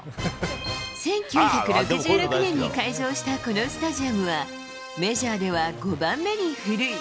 １９６６年に開場したこのスタジアムは、メジャーでは５番目に古い。